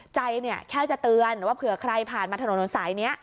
ใจเนี่ยแค่จะเตือนว่าเผื่อใครผ่านมาถนนสายนี้